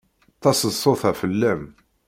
Taseḍsut-a fell-am.